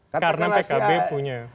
karena pkb punya